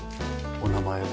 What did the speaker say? お名前は？